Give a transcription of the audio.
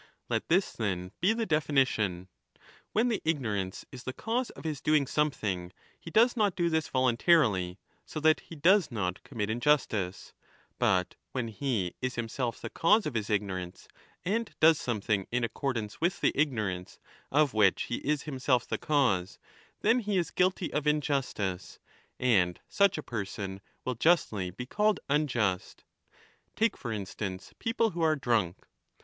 Let this, then, be the definition. When the ignorance is the cause of his doing something, he does not do this voluntarily, so that he does not commit injustice ; but when he is himself the cause of his ignorance and does something in accordance 30 with the ignorance of which he is himself the cause, then he is guilty of injustice, and such a person will justly be called unjust. Take for instance people who are drunk.